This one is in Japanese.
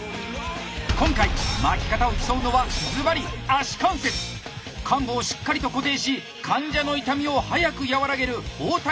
今回巻き方を競うのはズバリ患部をしっかりと固定し患者の痛みを早く和らげる包帯スキルの頂点へ！